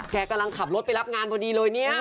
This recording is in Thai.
กำลังขับรถไปรับงานพอดีเลยเนี่ย